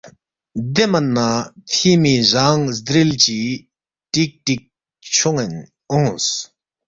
دے من نہ فِیمی زانگ زدرِل چی ٹیک ٹیک چھون٘ین اونگس